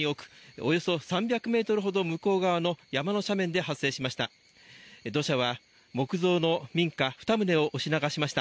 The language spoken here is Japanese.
およそ３００ｍほど向こう側の山の斜面で発生しました。